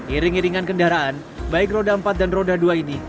iring iringan kendaraan baik roda empat dan roda dua ini